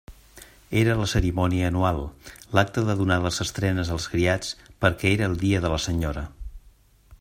Era la cerimònia anual, l'acte de donar les estrenes als criats, perquè era el dia de la senyora.